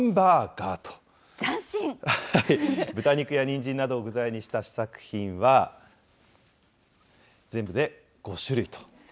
豚肉やにんじんなどを具材にした試作品は全部で５種類と。